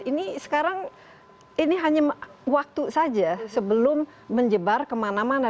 ini sekarang ini hanya waktu saja sebelum menjebar kemana mana